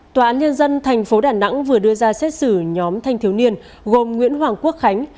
tòa án nhân dân tp đà nẵng vừa đưa ra xét xử nhóm thanh thiếu niên gồm nguyễn hoàng quốc khánh